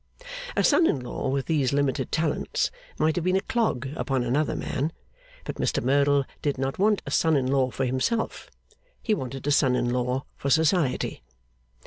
A son in law with these limited talents, might have been a clog upon another man; but Mr Merdle did not want a son in law for himself; he wanted a son in law for Society.